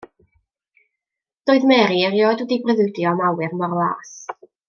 Doedd Mary erioed wedi breuddwydio am awyr mor las.